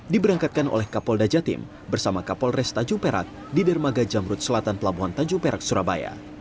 diberangkatkan oleh kapol dajatim bersama kapol res tajumperak di dermaga jamrut selatan pelabuhan tajumperak surabaya